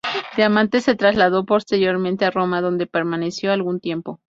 Diamante se trasladó posteriormente a Roma, donde permaneció algún tiempo.